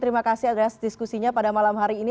terima kasih atas diskusinya pada malam hari ini